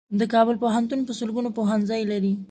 د کابل پوهنتون په لسګونو پوهنځۍ لري.